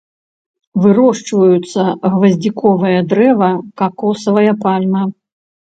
Вырошчваюцца гваздзіковае дрэва, какосавая пальма.